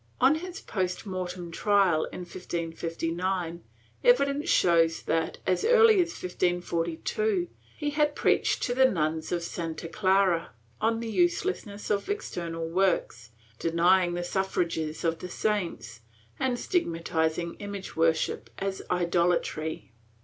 On his post mortem trial, in 1559, evidence showed that, as early as 1542, he had preached to the nuns of Santa Clara on the uselessness of external works, denying the suffrages of the saints, and stigmatizing image worship as idolatry.